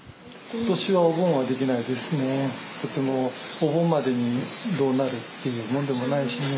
ことしはお盆はできないですね、とてもお盆までにどうなるっていうもんでもないしね。